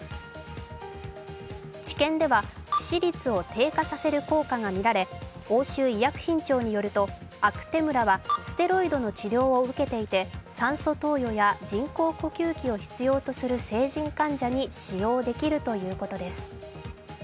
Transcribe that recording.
治験では、致死率を低下させる効果が見られ欧州医薬品庁によると、アクテムラはステロイドの治療を受けていて酸素投与や人工呼吸器を必要とする成人患者に使用できるということです。